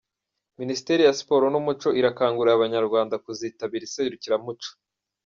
Minisiteri ya siporo n’umuco irakangurira Abanyarwanda kuzitabira iserukiramuco